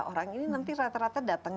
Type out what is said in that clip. orang ini nanti rata rata datang